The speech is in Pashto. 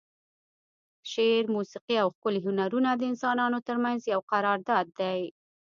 شعر، موسیقي او ښکلي هنرونه د انسانانو ترمنځ یو قرارداد دی.